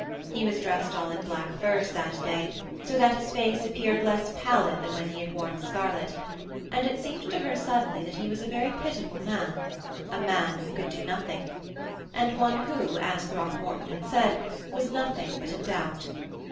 He was dressed all in black furs that day, so that his face appeared less pallid than when he had worn scarlet, and it seemed to her suddenly that he was a very pitiful man a man who could do nothing; and one who, as Throckmorton had said, was nothing but a doubt.